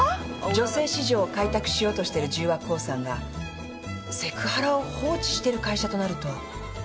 女性市場を開拓しようとしている十和興産がセクハラを放置している会社となると。